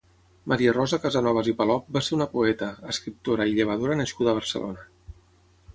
Maria Rosa Casanovas i Palop va ser una poeta, escriptora i llevadora nascuda a Barcelona.